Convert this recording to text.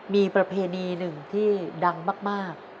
มีประเพณีหนึ่งที่ดังมาก